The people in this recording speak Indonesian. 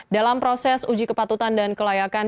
dalam proses uji kepatutan dan kelayakan